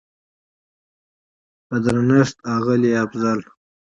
په درنښت اغلې افضل